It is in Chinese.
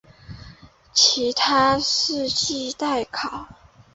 其他事迹待考。